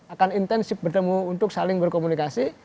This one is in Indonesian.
akan intensif bertemu untuk saling berkomunikasi